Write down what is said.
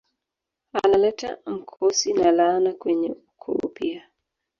Analeta mkosi na laana kwenye ukoo pia